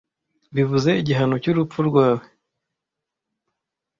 bivuze igihano cyurupfu rwawe